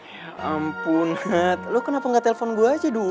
ya ampunat lo kenapa gak telfon gue aja dulu